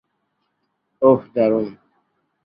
ওহ, দারুণ!